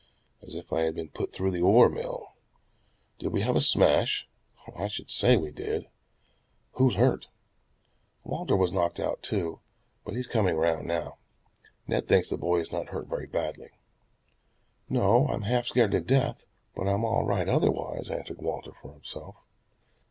"As if I had been put through the ore mill. Did we have a smash?" "I should say we did?" "Who's hurt?" "Walter was knocked out too, but he is coming round now. Ned thinks the boy is not hurt very badly." "No, I'm half scared to death, but I'm all right otherwise," answered Walter for himself.